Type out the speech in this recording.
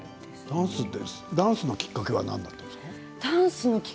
ダンスのきっかけは何だったの？